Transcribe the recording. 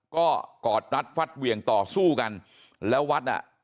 ก็กอดรัดฟัดเหวี่ยงต่อสู้กันแล้ววัดอ่ะ